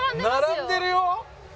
並んでるよ！